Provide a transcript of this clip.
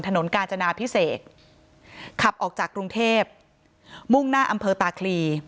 กาญจนาพิเศษขับออกจากกรุงเทพมุ่งหน้าอำเภอตาคลี